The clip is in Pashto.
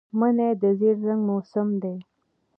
مني د زېړ رنګ موسم دی